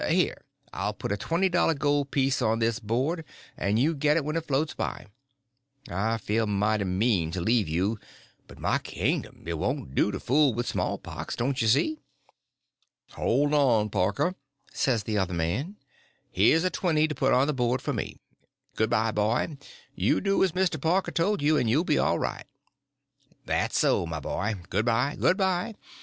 Here, I'll put a twenty dollar gold piece on this board, and you get it when it floats by. I feel mighty mean to leave you; but my kingdom! it won't do to fool with small pox, don't you see?" "Hold on, Parker," says the other man, "here's a twenty to put on the board for me. Good bye, boy; you do as Mr. Parker told you, and you'll be all right." "That's so, my boy—good bye, good bye.